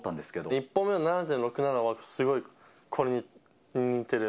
１本目の７．６７はすごいこれに似てる。